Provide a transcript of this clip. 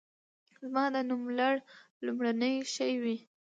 زما د نوملړ لومړنی شی وي.